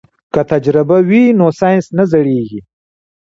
که تجربه وي نو ساینس نه زړیږي.